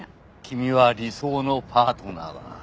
君は理想のパートナーだな。